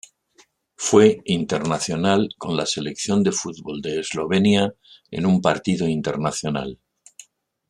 Fue internacional con la selección de fútbol de Eslovenia en un partido internacional.